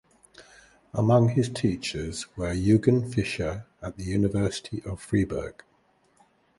Among his teachers were Eugen Fischer at the University of Freiburg.